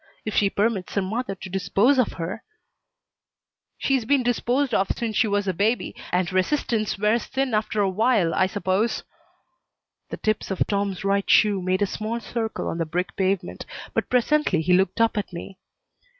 If she permits her mother to dispose of her " "She's been disposed of since she was a baby, and resistance wears thin after a while, I suppose." The tips of Tom's right shoe made a small circle on the brick pavement, but presently he looked up at me.